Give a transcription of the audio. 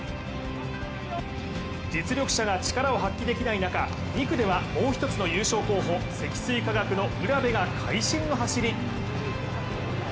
実力者が力を発揮できない中、２区ではもう一つの優勝候補、積水化学の卜部が会心の走り。